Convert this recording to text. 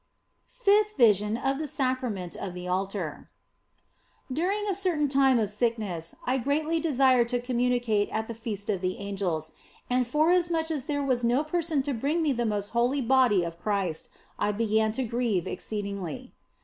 228 THE BLESSED ANGELA FIFTH VISION OF THE SACRAMENT OF THE ALTAR DURING a certain time of sickness I greatly desired to communicate at the Feast of the Angels, and forasmuch as there was no person to bring me the most holy Body of Christ, I began to grieve exceedingly.